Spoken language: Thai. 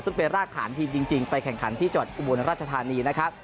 ซึ่งเป็นรากฐานทีมจริงไปแข่งขันที่จังหวัดอุบลราชธานีนะครับ